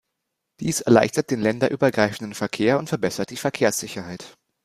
Dies erleichtert den länderübergreifenden Verkehr und verbessert die Verkehrssicherheit.